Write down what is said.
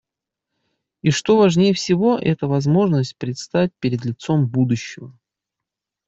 И, что важнее всего, это возможность предстать перед лицом будущего.